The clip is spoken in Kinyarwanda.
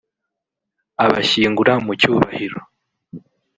abashyingura mu cyubahiro